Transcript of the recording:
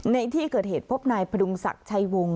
ในที่เกิดเหตุพบนายพดุงศักดิ์ชัยวงศ